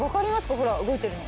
ほら動いてるの。